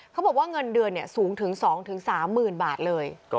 เขาบอกว่าเงินเดือนสูงถึง๒๓๐๐๐บาทเลย